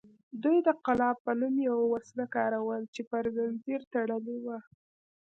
دوی د قلاب په نوم یوه وسله کاروله چې پر زنځیر تړلې وه